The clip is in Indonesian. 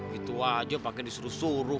gitu aja pakai disuruh suruh